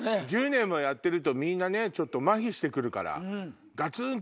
１０年もやってるとみんなちょっとマヒして来るからガツン！